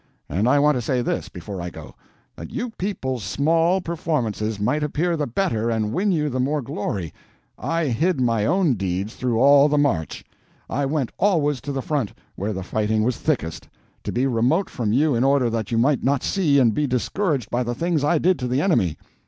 And I want to say this, before I go. That you people's small performances might appear the better and win you the more glory, I hid my own deeds through all the march. I went always to the front, where the fighting was thickest, to be remote from you in order that you might not see and be discouraged by the things I did to the enemy.